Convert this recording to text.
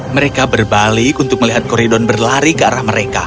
mereka berbalik untuk melihat koridon berlari ke arah mereka